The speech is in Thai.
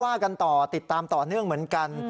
ว่ากันต่อติดตามต่อเนื่องเหมือนกัน